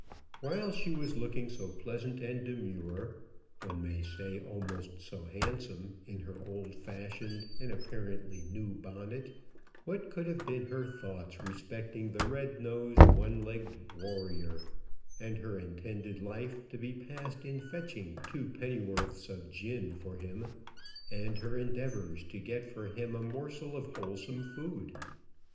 While she was looking so pleasant and demure, one may say almost so handsome, in her old fashioned and apparently new bonnet, what could have been her thoughts respecting the red nosed, one legged warrior, and her intended life, to be passed in fetching two penn'orths of gin for him, and her endeavours to get for him a morsel of wholesome food?